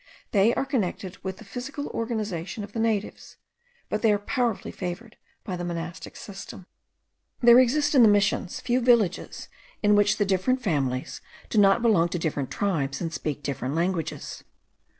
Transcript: They are connected with the physical organization of the natives, but they are powerfully favoured by the monastic system. There exist in the missions few villages in which the different families do not belong to different tribes and speak different languages.